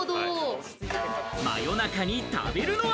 真夜中に食べるのは？